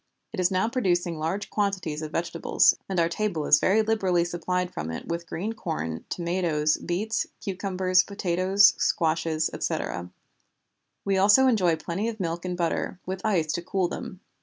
It is now producing large quantities of vegetables, and our table is very liberally supplied from it with green corn, tomatoes, beets, cucumbers, potatoes, squashes, etc. We also enjoy plenty of milk and butter, with ice to cool them.